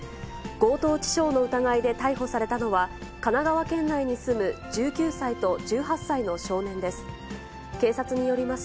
強盗致傷の疑いで逮捕されたのは、神奈川県内に住む１９歳と１８歳の少年です。